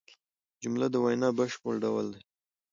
جمله د وینا بشپړ ډول دئ.